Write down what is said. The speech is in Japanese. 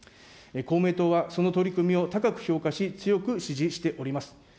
公明党はその取り組みを高く評価し、強く支持しております。